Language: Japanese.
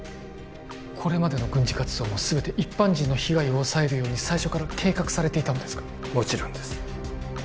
これまでの軍事活動も全て一般人の被害を抑えるように最初から計画されていたのですかもちろんです